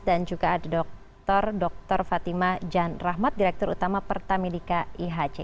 juga ada dr dr fatima jan rahmat direktur utama pertamidika ihc